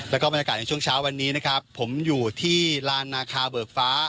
แล้วก็บรรยากาศในช่วงเช้าวันนี้นะครับผมอยู่ที่ลานนาคาเบิกฟ้า